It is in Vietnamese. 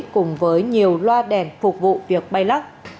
cùng với nhiều loa đèn phục vụ việc bay lắc